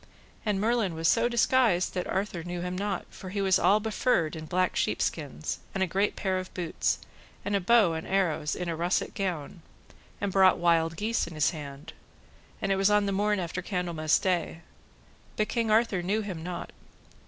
And Merlin was so disguised that King Arthur knew him not, for he was all befurred in black sheep skins, and a great pair of boots, and a bow and arrows, in a russet gown, and brought wild geese in his hand, and it was on the morn after Candlemas day; but King Arthur knew him not.